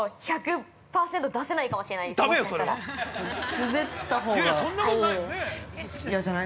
◆スベったほうが嫌じゃない？